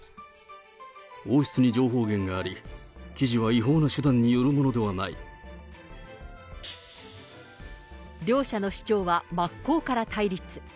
王室に情報源があり、記事は違法な手段によるものではない。両者の主張は真っ向から対立。